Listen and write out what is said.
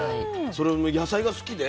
それを野菜が好きで？